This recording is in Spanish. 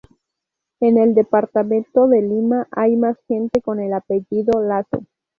En el Departamento de Lima hay más gente con el apellido "Lazo"